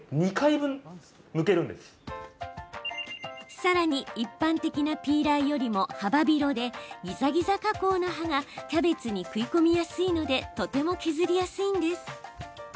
さらに一般的なピーラーよりも幅広で、ギザギザ加工の刃がキャベツに食い込みやすいのでとても削りやすいんです。